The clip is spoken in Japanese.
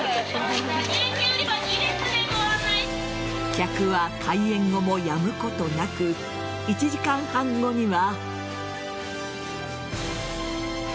客は開園後もやむことなく１時間半後には。